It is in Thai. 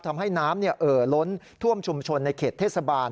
ทำให้น้ำเอ่อล้นท่วมชุมชนในเขตเทศบาล